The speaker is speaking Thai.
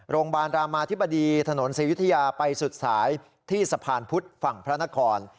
โรงพยาบาลรามาธิบดีถนนศรียุธยาไปสุดสายที่สะพานพุทธฝั่งพระนคร